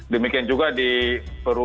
demikian juga di perumgeria